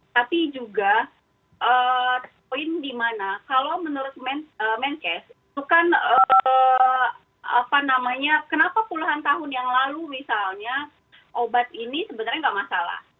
tapi juga poin dimana kalau menurut menkes itu kan kenapa puluhan tahun yang lalu misalnya obat ini sebenarnya enggak masalah